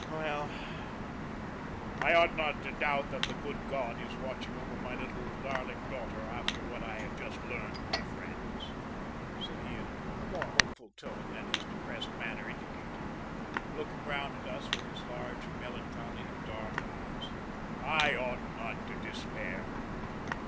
"Well, I ought not to doubt that the good God is watching over my little, darling daughter after what I have just learnt, my friends," said he in a more hopeful tone than his depressed manner indicated, looking round at us with his large, melancholy, dark eyes. "I ought not to despair!"